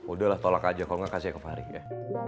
udah lah tolak aja kalo gak kasih ke fahri ya